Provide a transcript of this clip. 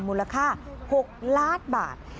มูลค่า๖ล้านบาท